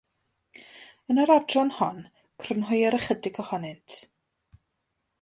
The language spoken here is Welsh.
Yn yr adran hon, crynhoir ychydig ohonynt.